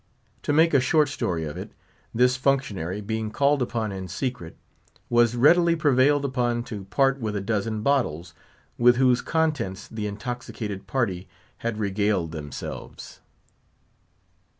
To make a short story of it, this functionary, being called upon in secret, was readily prevailed upon to part with a dozen bottles, with whose contents the intoxicated party had regaled themselves.